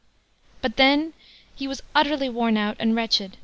But then he was utterly worn out and wretched.